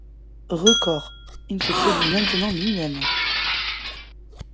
Records, il se produit maintenant lui-même.